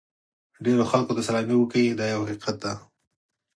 ډېرو خلکو ته سلامي وکړئ دا یو حقیقت دی.